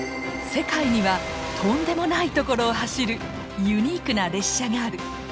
世界にはとんでもない所を走るユニークな列車がある！